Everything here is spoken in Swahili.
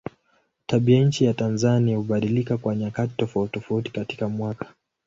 Tabianchi ya Tanzania hubadilika kwa nyakati tofautitofauti katika mwaka.